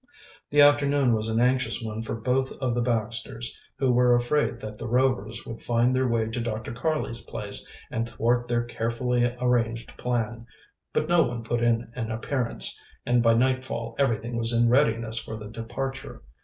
The afternoon was an anxious one for both of the Baxters, who were afraid that the Rovers would find their way to Dr. Karley's place and thwart their carefully arranged plan. But no one put in an appearance, and by nightfall everything was in readiness for the departure.